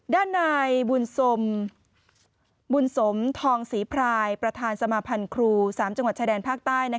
ด้านนายบุญสมบุญสมทองศรีพรายประธานสมาพันธ์ครู๓จังหวัดชายแดนภาคใต้